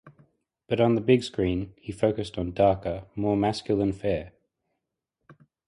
But on the big screen, he focused on darker, more masculine fare.